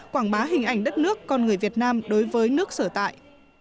quảng bá hình ảnh đất nước con người việt nam đối với nước sở tại